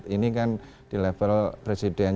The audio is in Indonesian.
ini kan di level presiden